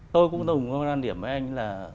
tôi cũng đồng ý với anh